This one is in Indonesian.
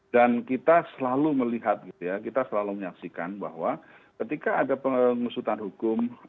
dan kita selalu melihat kita selalu menyaksikan bahwa ketika ada pengusutan hukum